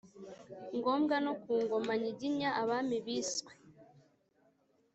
ngombwa. no ku ngoma nyiginya, abami biswe